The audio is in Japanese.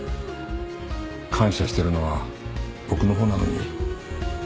感謝してるのは僕のほうなのに。